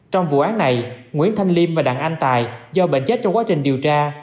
trong vụ án này nguyễn thanh liêm và đặng anh tài do bệnh chết trong quá trình điều tra